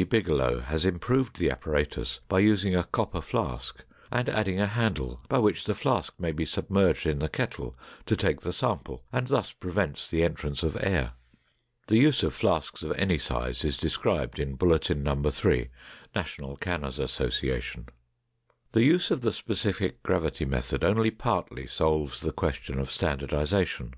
D. Bigelow has improved the apparatus by using a copper flask and adding a handle by which the flask may be submerged in the kettle to take the sample and thus prevents the entrance of air. The use of flasks of any size is described in Bulletin No. 3, National Canners' Association. The use of the specific gravity method only partly solves the question of standardization.